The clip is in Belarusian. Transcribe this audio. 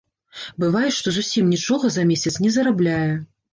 Бывае, што зусім нічога за месяц не зарабляе!